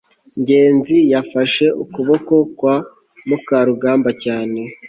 ngenzi yafashe ukuboko kwa mukarugambwa cyane